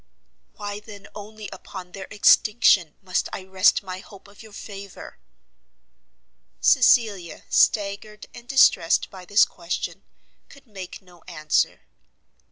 "Why then only upon their extinction must I rest my hope of your favour?" Cecilia, staggered and distressed by this question, could make no answer.